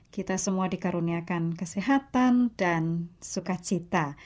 kita semua dikaruniakan kesehatan dan suka cita